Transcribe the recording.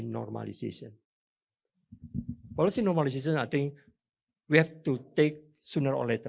normalisasi polisi saya pikir kita harus ambil lebih cepat atau lebih lama